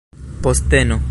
posteno